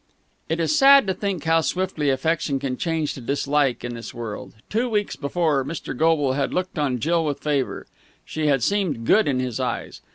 It is sad to think how swiftly affection can change to dislike in this world. Two weeks before, Mr. Goble had looked on Jill with favour. She had seemed good in his eyes.